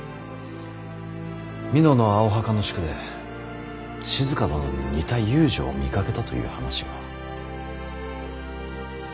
美濃の青墓宿で静殿に似た遊女を見かけたという話が。